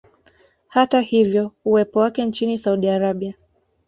Hata hivyo uwepo wake Nchini Saudi Arabia